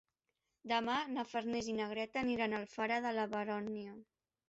Demà na Farners i na Greta aniran a Alfara de la Baronia.